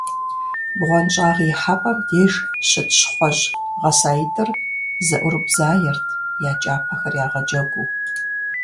БгъуэнщӀагъ ихьэпӀэм деж щыт щхъуэжь гъэсаитӀыр зэӀурыбзаерт, я кӀапэхэр ягъэджэгуу.